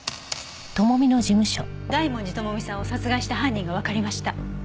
大文字智美さんを殺害した犯人がわかりました。